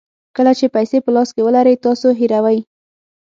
کله چې پیسې په لاس کې ولرئ تاسو هیروئ.